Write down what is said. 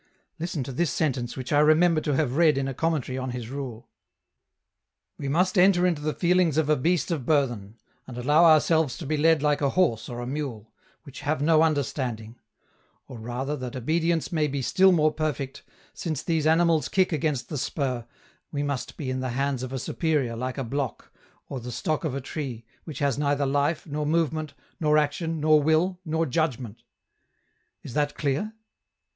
Listen to this sentence which I remember to have read in a commentary on his rule :"' We must enter into the feelings of a beast of burthen, and allow ourselves to be led like a horse or a mule, which have no understanding ; or rather, that obedience may be still more perfect, since these animals kick against the spur, we must be in the hands of a superior like a block, or the stock of a tree, which has neither life, nor movement, nor action, nor will, nor judgment.' Is that clear